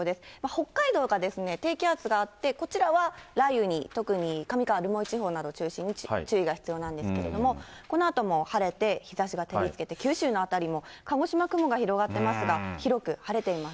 北海道は低気圧があって、こちらは雷雨に、特に上川、留萌地方など中心に注意が必要なんですけれども、このあとも晴れて、日ざしが照りつけて、九州の辺りも鹿児島、雲広がっていますが、広く晴れています。